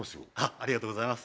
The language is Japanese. ありがとうございます